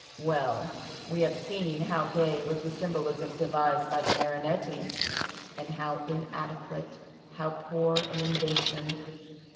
Well, we have seen how gay was the symbolism devised by the Marinetti. And how inadequate, how poor in invention.